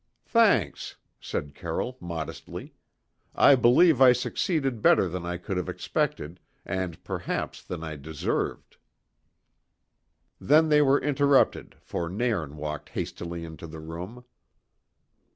"Thanks," said Carroll modestly. "I believe I succeeded better than I could have expected, and perhaps than I deserved." Then they were interrupted, for Nairn walked hastily into the room.